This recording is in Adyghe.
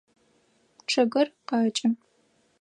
Чъыгыр къэкӏы.